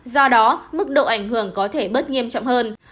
do đó mức độ ảnh hưởng có thể bớt nghiêm trọng hơn